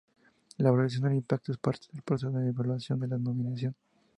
La valoración del impacto es parte del proceso de evaluación de la nominación.